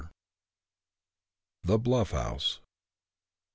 THE BLUFF HOUSE.